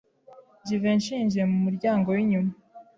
Jivency yinjiye mu muryango winyuma.